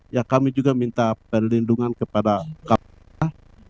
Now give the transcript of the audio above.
ya kami juga minta perlindungan kepada kpk